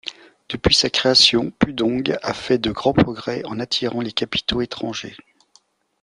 Depuis sa création, Pudong a fait de grands progrès en attirant les capitaux étrangers.